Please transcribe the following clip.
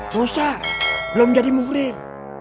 bosa belum jadi murid